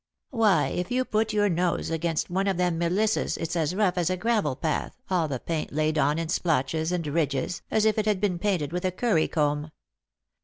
Why, if you put your nose against one of them Millisses it's as rough as a gravel path, all the paint laid on in splotches and ridges, as if it had been painted with a curry comb.